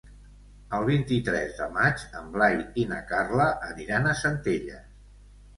El vint-i-tres de maig en Blai i na Carla aniran a Centelles.